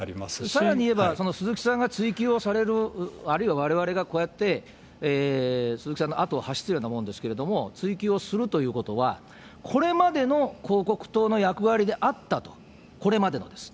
さらに言えば、鈴木さんが追及をされる、あるいはわれわれがこうやって鈴木さんの後を走ってるようなもんですけれども、追及をするということは、これまでの広告塔の役割であったと、これまでです。